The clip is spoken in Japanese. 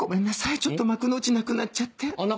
ちょっと幕の内なくなっちゃって。